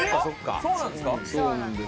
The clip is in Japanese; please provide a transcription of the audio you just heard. そうなんです。